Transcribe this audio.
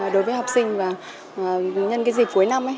đối với học sinh và nhân cái dịp cuối năm